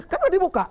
kan udah dibuka